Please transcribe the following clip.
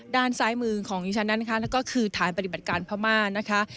ด้านซ้ายมือของดิฉันนั้นค่ะนั่นก็คือฐานปฏิบัติการพม่านะคะ